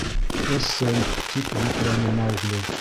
— Ысын, — тип йөпләне Маугли.